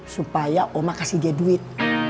supaya oma kasih dia duit